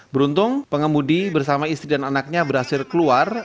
beruntung pengemudi bersama istri dan anaknya berhasil keluar